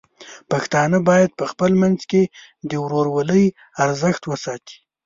پښتانه بايد په خپل منځ کې د ورورولۍ ارزښت وساتي.